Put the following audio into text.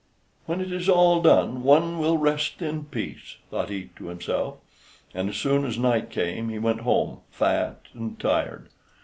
"When it is all done one will rest in peace," thought he to himself, and as soon as night came he went home fat and tired.